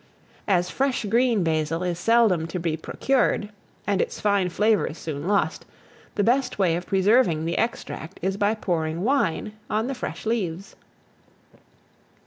As fresh green basil is seldom to be procured, and its fine flavour is soon lost, the best way of preserving the extract is by pouring wine on the fresh leaves.